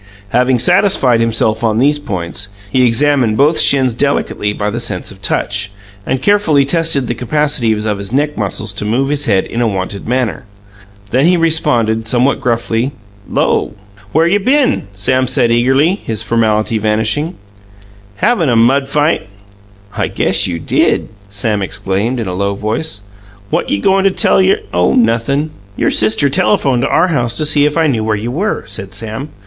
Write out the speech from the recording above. Having satisfied himself on these points, he examined both shins delicately by the sense of touch, and carefully tested the capacities of his neck muscles to move his head in a wonted manner. Then he responded somewhat gruffly: "'Lo!" "Where you been?" Sam said eagerly, his formality vanishing. "Havin' a mud fight." "I guess you did!" Sam exclaimed, in a low voice. "What you goin' to tell your " "Oh, nothin'." "Your sister telephoned to our house to see if I knew where you were," said Sam.